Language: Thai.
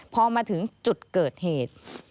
พอมาถึงจุดเกิดเหตุ